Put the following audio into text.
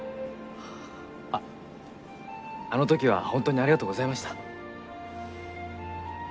あっあの時は本当にありがとうございました。